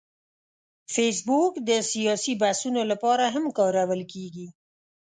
فېسبوک د سیاسي بحثونو لپاره هم کارول کېږي